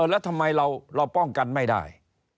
แล้วทำไมเราป้องกันไม่ได้